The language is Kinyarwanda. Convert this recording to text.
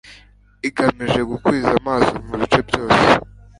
igamije gukwiza amaraso mu bice byose